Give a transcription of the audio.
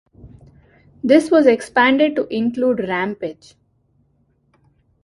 This was expanded to include "Rampage".